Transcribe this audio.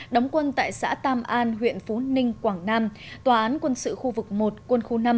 đóng quân tại xã tam an huyện phú ninh quảng nam tòa án quân sự khu vực một quân khu năm